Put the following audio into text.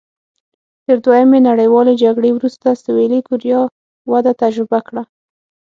تر دویمې نړیوالې جګړې وروسته سوېلي کوریا وده تجربه کړه.